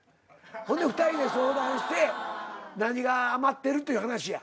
ほんで２人で相談して何が余ってるという話や。